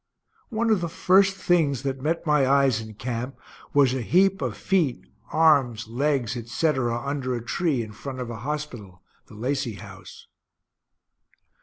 One of the first things that met my eyes in camp was a heap of feet, arms, legs, etc., under a tree in front of a hospital, the Lacy house.